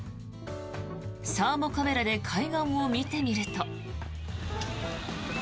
サーモカメラで海岸を見てみると。